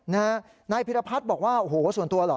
นายพิรพัฒน์บอกว่าโอ้โหส่วนตัวเหรอ